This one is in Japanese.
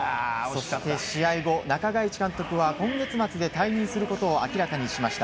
そして、試合後中垣内監督は今月末で退任することを明らかにしました。